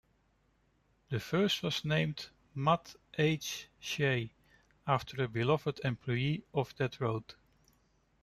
The first was named "Matt H. Shay", after a beloved employee of that road.